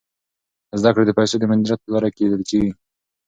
زده کړه د پیسو د مدیریت په لاره کي لیدل کیږي.